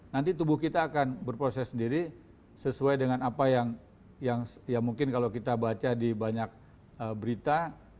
nanti tubuh kita akan berproses sendiri sesuai dengan apa yang mungkin kalau kita baca di banyak berita